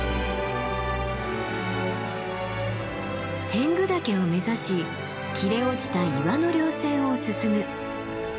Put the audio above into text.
天狗岳を目指し切れ落ちた岩の稜線を進む。